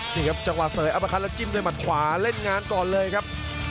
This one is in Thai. นี่ครับจังหวะเสยอัปคัดแล้วจิ้มด้วยหมัดขวาเล่นงานก่อนเลยครับ